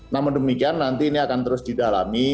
namun demikian nanti ini akan terus didalami